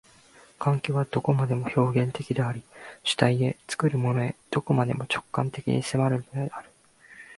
環境はどこまでも表現的であり、主体へ、作るものへ、どこまでも直観的に迫るのである。